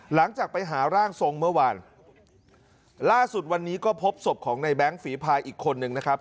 หลังจากไปหาร่างทรงเมื่อวานล่าสุดวันนี้ก็พบศพของในแบงค์ฝีพายอีกคนนึงนะครับ